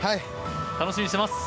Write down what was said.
楽しみにしています。